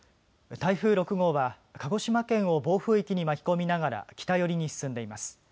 台風６号は鹿児島県を暴風域に巻き込みながら北寄りに進んでいます。